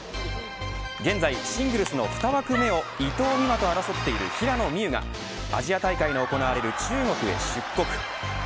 現在、シングルの２枠目を伊藤美誠と争っている平野美宇がアジア大会の行われる中国へ出国。